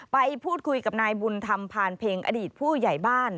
ไปพูดคุยกับนายบุญธรรมพานเพ็งอดีตผู้ใหญ่บ้าน